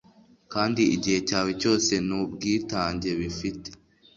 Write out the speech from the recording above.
kandi igihe cyawe cyose nubwitange bifite